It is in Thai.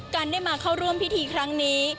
การได้มาเข้าร่วมพิธีครั้งนี้